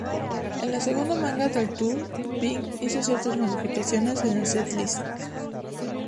En la segunda manga del tour, Pink hizo ciertas modificaciones en el setlist.